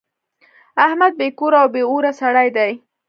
احمد بې کوره او بې اوره سړی دی.